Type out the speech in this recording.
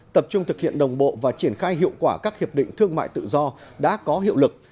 tập trung thực hiện đồng bộ và triển khai hiệu quả các hiệp định thương mại tự do đã có hiệu lực